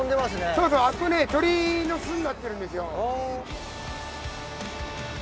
そうそうあそこね鳥の巣になってるんですよ。